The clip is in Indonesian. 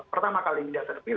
pertama kali didatasi